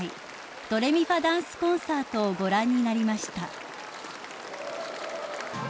ドレミファダンスコンサートをご覧になりました］